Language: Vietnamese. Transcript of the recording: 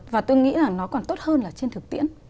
và tôi nghĩ là nó còn tốt hơn là trên thực tiễn